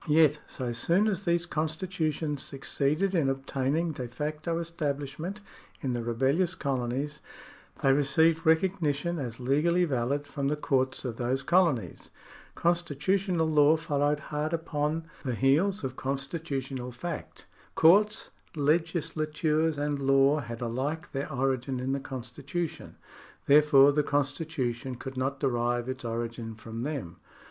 Yet so soon as these constitutions succeeded in obtaining de facto establishment in the rebellious colonies, they received recognition as legally valid from the courts of those colonies. Constitutional law followed hard upon the § 40] THE STATE 109 heels of constitutional fact. Courts, legislatures, and law had alike their origin in the constitution, therefore the constitu tion could not derive its origin from them.